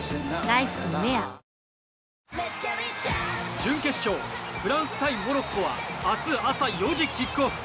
準決勝フランス対モロッコは明日朝４時キックオフ。